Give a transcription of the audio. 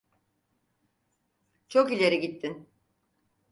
Çok ileri gittin!